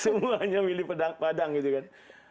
semuanya milih padang gitu kan